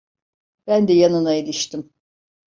Ben de yanına iliştim.